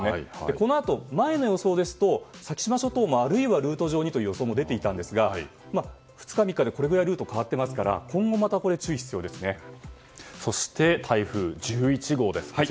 このあと、前の予想ですと先島諸島もあるいはルート上にという予想も出ていたんですが２日、３日でこれぐらいルートが変わっているのでそして、台風１１号です。